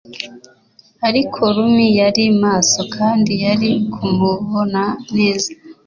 Ariko Rum yari maso kandi yari kumubona neza